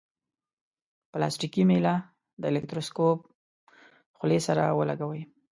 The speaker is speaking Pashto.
پلاستیکي میله د الکتروسکوپ خولې سره ولګوئ.